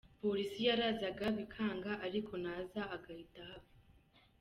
Polisi yarazaga bikanga, ariko naza agahita ahava.